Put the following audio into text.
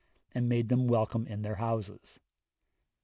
and made them welcome in their houses....